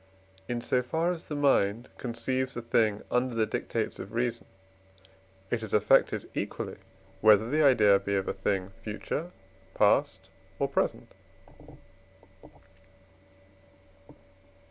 In so far as the mind conceives a thing under the dictates of reason, it is affected equally, whether the idea be of a thing future, past, or present.